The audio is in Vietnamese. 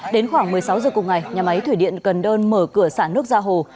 đến khoảng một mươi sáu giờ cùng ngày nhà máy thủy điện cần đơn mở cửa xã nước ra hồ